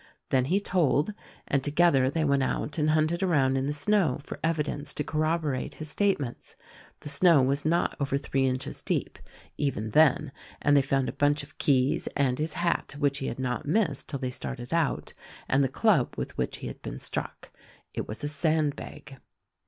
Then he told, and together they went out and hunted around in the snow for evidence to corroborate his state ments. The snow was not over three inches deep, even then, and they found a bunch of keys and his hat— which he had not missed till they started out — and the club with which he had been struck. It was a sand bag.